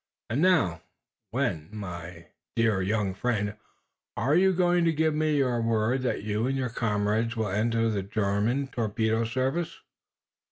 "And now, when, my dear young friend, are you going to give me your word that you and your comrades will enter the German torpedo service?